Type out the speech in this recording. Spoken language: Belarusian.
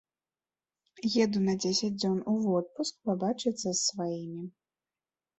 Еду на дзесяць дзён у водпуск, пабачыцца з сваімі.